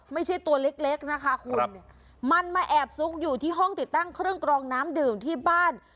ไม่ใช่ตัวเล็กเล็กนะคะคุณเนี่ยมันมาแอบซุกอยู่ที่ห้องติดตั้งเครื่องกรองน้ำดื่มที่บ้าน